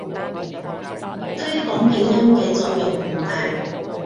推廣拼音嘅作用唔大